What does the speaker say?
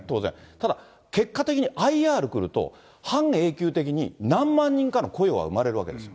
ただ、結果的にＩＲ来ると、半永久的に何万人かの雇用が生まれるわけですよ。